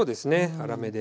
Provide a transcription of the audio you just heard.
粗めで。